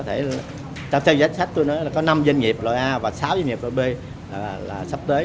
theo danh sách tôi nói là có năm doanh nghiệp loại a và sáu doanh nghiệp loại b sắp tới